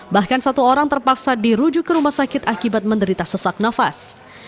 bahkan satu orang terpaksa dirujuk ke rumah sakit akibat menderita sesak nafas